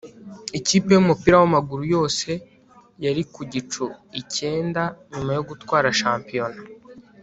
ikipe yumupira wamaguru yose yari ku gicu icyenda nyuma yo gutwara shampiyona